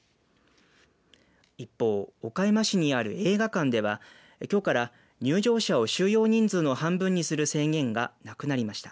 一方、岡山市にある映画館ではきょうから入場者を収容人数の半分にする制限がなくなりました。